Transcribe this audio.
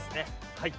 はい。